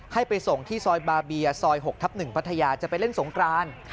ให้ไปส่งที่ซอยบาเบียซอย๖ทับ๑พัทยาจะไปเล่นสงกราน